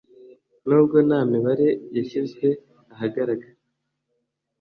n'ubwo nta mibare yashyizwe ahagaragara